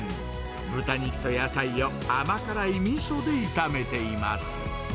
豚肉、野菜を甘辛いみそで炒めています。